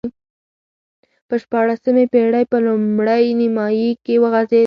په شپاړسمې پېړۍ په لومړۍ نییمایي کې وغځېد.